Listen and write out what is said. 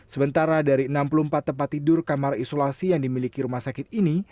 sementara dari enam puluh empat tempat tidur kamar isolasi yang dimiliki rumah sakit ini